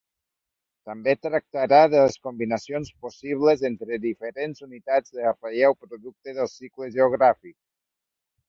També tractarà de les combinacions possibles entre diferents unitats de relleu producte del cicle geogràfic.